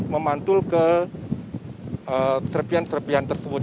memantul ke serpian serpian tersebut